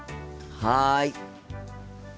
はい。